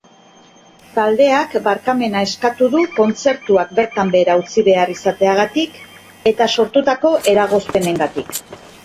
Taldeak barkamena eskatu du kontzertuak bertan behera utzi behar izateagatik eta sortutako eragozpenengatik.